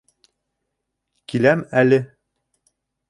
Киләм әле...